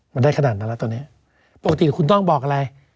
มันได้ขนาดนั้นแล้วตอนนี้ปกติคุณต้องบอกอะไร